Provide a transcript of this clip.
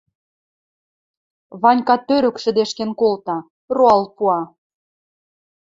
Ванька тӧрӧк шӹдешкен колта, роал пуа: